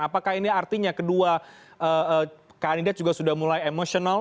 apakah ini artinya kedua kandidat juga sudah mulai emosional